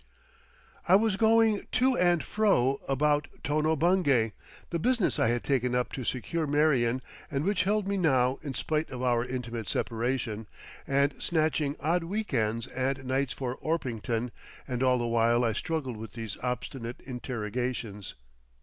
I was going to and fro about Tono Bungay—the business I had taken up to secure Marion and which held me now in spite of our intimate separation—and snatching odd week ends and nights for Orpington, and all the while I struggled with these obstinate interrogations.